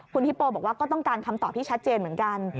คุณฮิปโปบอกว่าก็ต้องการคำตอบที่ชัดเจนเหมือนกัน